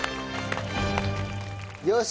よし！